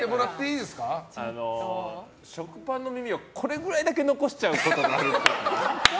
食パンの耳をこれぐらいだけ残しちゃうっぽい。